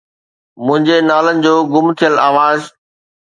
منهنجي نالن جو گم ٿيل آواز